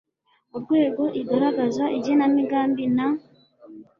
urwego igaragaza igenamigambi na